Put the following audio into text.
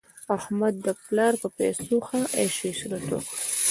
احمد د پلا په پیسو ښه عش عشرت وکړ.